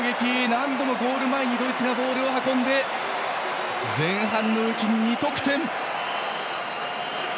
何度もゴール前にドイツがボールを運んで前半のうちに２得点！